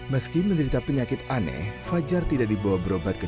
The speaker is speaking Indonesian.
meski menderita penyakit aneh fajar tidak dibawa berobat ke